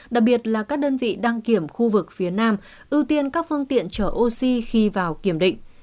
đặc biệt là các đơn vị đăng kiểm khu vực phía nam ưu tiên các phương tiện chở oxy khi vào kiểm định